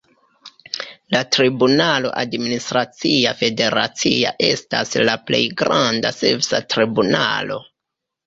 La tribunalo administracia federacia estas la plej granda svisa tribunalo.